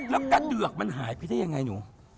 แล้วกระเดือกมันหายไปได้ยังไงหนู